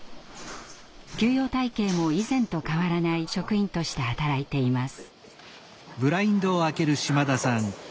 給与体系も以前と変わらない職員として働いています。